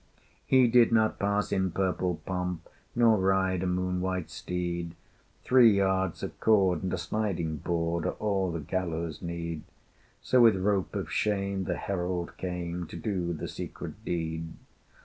He did not pass in purple pomp, Nor ride a moon white steed. Three yards of cord and a sliding board Are all the gallows' need: So with rope of shame the Herald came To do the secret deed.